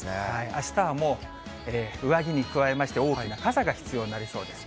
あしたはもう上着に加えまして大きな傘が必要になりそうです。